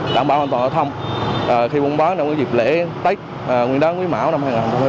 đảm bảo an toàn hợp thông khi buôn bán trong dịp lễ tết nguyên đoán quý mão năm hai nghìn hai mươi ba